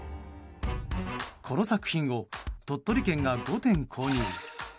この作品を、鳥取県が５点購入。